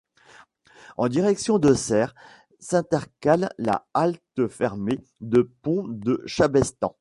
En direction de Serres, s'intercale la halte fermée de Pont de Chabestan.